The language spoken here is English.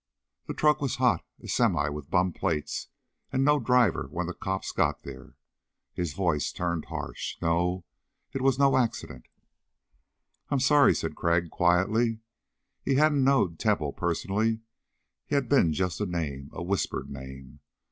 The truck was hot, a semi with bum plates, and no driver when the cops got there." His voice turned harsh. "No ... it was no accident." "I'm sorry," Crag said quietly. He hadn't known Temple personally. He had been just a name a whispered name.